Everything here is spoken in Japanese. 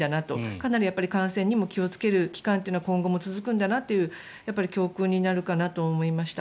かなり感染にも気をつける期間は今後も続くんだなという教訓になるかなと思いました。